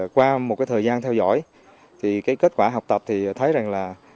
qua một thời gian theo dõi kết quả học tập thấy rằng